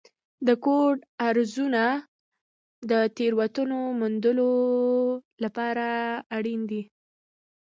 د کوډ ارزونه د تېروتنو موندلو لپاره اړینه ده.